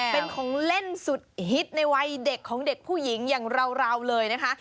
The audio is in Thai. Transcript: เป็นของเล่นสุดฮิตในวัยเด็กของเด็กผู้หญิงอย่างเราเลยนะคะ